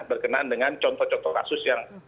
berkenaan dengan contoh contoh kasus yang